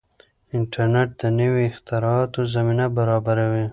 انټرنیټ د نویو اختراعاتو زمینه برابروي.